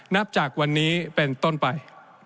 นับจากวันนี้เป็นต้นไป